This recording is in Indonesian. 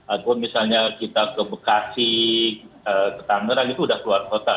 ataupun misalnya kita ke bekasi ke tangerang itu sudah keluar kota